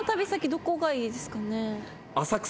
どこがいいですかね？